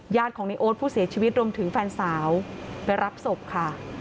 ของในโอ๊ตผู้เสียชีวิตรวมถึงแฟนสาวไปรับศพค่ะ